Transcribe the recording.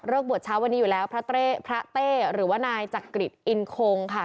บวชเช้าวันนี้อยู่แล้วพระเต้พระเต้หรือว่านายจักริตอินคงค่ะ